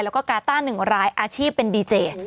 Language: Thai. แล้วก็กาต้า๑รายอาชีพเป็นดีเจ